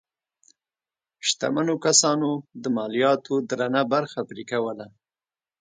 شتمنو کسانو د مالیاتو درنه برخه پرې کوله.